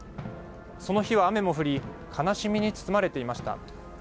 その日は雨も降り悲しみに包まれていました。